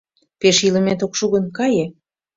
Пеш илымет ок шу гын, кае.